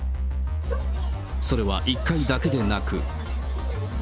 それは１回だけでなく。